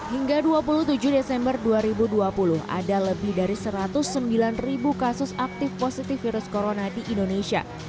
hingga dua puluh tujuh desember dua ribu dua puluh ada lebih dari satu ratus sembilan ribu kasus aktif positif virus corona di indonesia